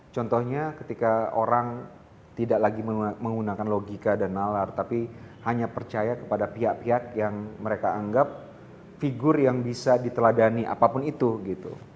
contohnya ketika orang tidak lagi menggunakan logika dan nalar tapi hanya percaya kepada pihak pihak yang mereka anggap figur yang bisa diteladani apapun itu gitu